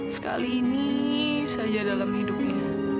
sekali ini saja dalam hidupnya